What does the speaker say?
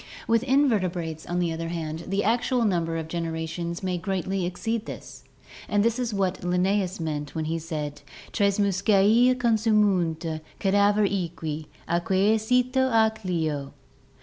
With invertebrates, on the other hand, the actual number of genera tions may greatly exceed this, and this is what Linnaeus meant when he said: "Tres muscae consumunt cadaver equi, aeque cito ac leo."